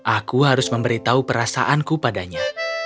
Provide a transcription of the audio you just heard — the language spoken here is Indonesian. aku harus memberitahu perasaanku padanya